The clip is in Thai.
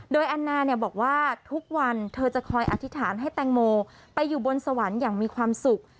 โดยแอนนาบอกว่าทุกวันเธอจะคอยอธิษฐานให้แตงโมไปอยู่บนสวรรค์อย่างมีความสุข